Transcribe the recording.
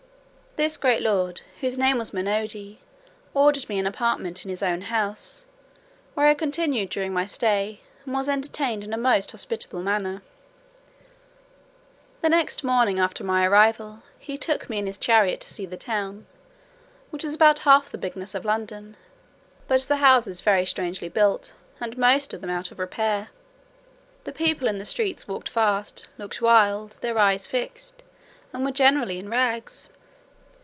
This great lord, whose name was Munodi, ordered me an apartment in his own house, where I continued during my stay, and was entertained in a most hospitable manner. The next morning after my arrival, he took me in his chariot to see the town, which is about half the bigness of London; but the houses very strangely built, and most of them out of repair. The people in the streets walked fast, looked wild, their eyes fixed, and were generally in rags.